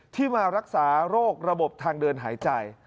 ที่มารักษาโรคระบบทางเดินหายใจ